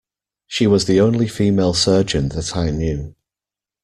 She was the only female surgeon that I knew.